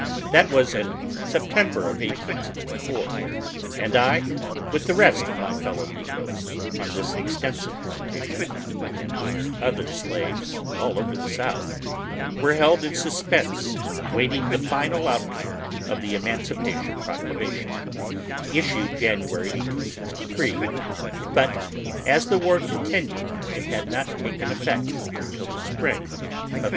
This was in September of 1864, and I, with the rest of my fellow negroes on this extensive plantation, and with other slaves all over the South, were held in suspense waiting the final outcome of the emancipation proclamation, issued January, 1863, but as the war continued, it had not taken effect until the spring of 1865.